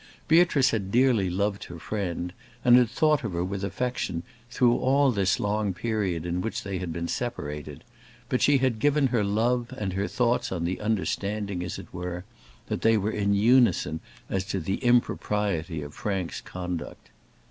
Beatrice had dearly loved her friend, and had thought of her with affection through all this long period in which they had been separated; but she had given her love and her thoughts on the understanding, as it were, that they were in unison as to the impropriety of Frank's conduct.